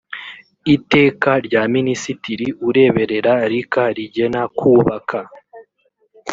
iteka rya minisitiri ureberera rica rigena kubaka